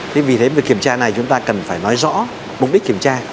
thế vì thế việc kiểm tra này chúng ta cần phải nói rõ mục đích kiểm tra